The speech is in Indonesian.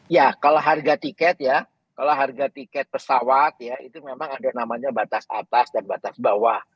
ya kalau harga tiket ya kalau harga tiket pesawat ya itu memang ada namanya batas atas dan batas bawah